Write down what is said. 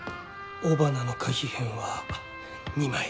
雄花の花被片は２枚。